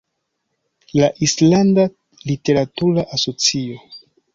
La Islanda literatura asocio.